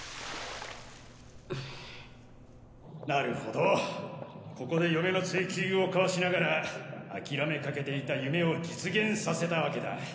なるほどここで嫁の追及をかわしながら諦めかけていた夢を実現させたわけだ。